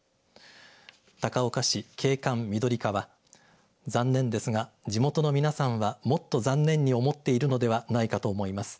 高岡市景観みどり課は残念ですが地元の皆さんはもっと残念に思っているのではないかと思います